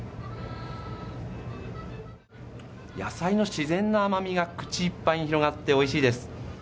野菜の自然な甘みが口いっぱいに広がっておいしいです。